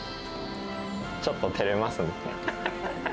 ちょっと照れますね。